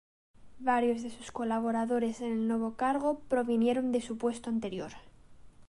Varios de sus colaboradores en el nuevo cargo provinieron de su puesto anterior.